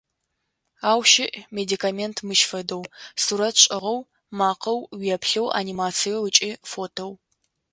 Ау щыӏ медиаконтент мыщ фэдэу: сурэт шӏыгъэу, макъэу, уеплъэу, анимациеу ыкӏи фотэу.